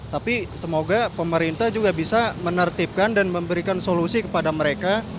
tapi semoga pemerintah juga bisa menertibkan dan memberikan solusi kepada mereka